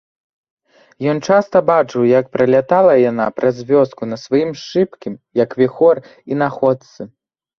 Ён часта бачыў, як пралятала яна праз вёску на сваім шыбкім, як віхор, інаходцы.